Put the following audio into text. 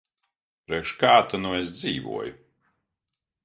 Priekš kā ta nu es dzīvoju.